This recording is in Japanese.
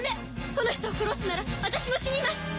この人を殺すなら私も死にます！